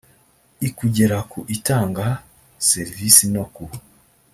i kugera ku utanga serivisi no ku